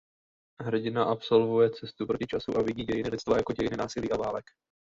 Hrdina absolvuje cestu proti času a vidí dějiny lidstva jako dějiny násilí a válek.